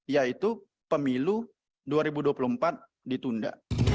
yaitu pemilu dua ribu dua puluh empat ditunda